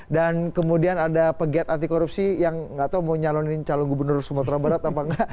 dan kemudian ada pegiat anti korupsi yang nggak tahu mau nyalonin calon gubernur sumatera barat apa nggak